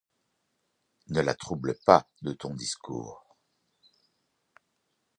Ne la trouble pas de ton discours.